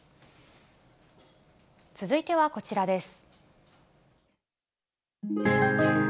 続いてはこちらです。